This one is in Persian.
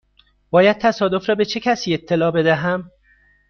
باید تصادف را به چه کسی اطلاع بدهم؟